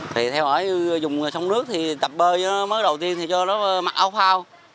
thầy theo hỏi dùng sông nước thì tập bơi cho nó mới đầu tiên cho nó mặc áo phao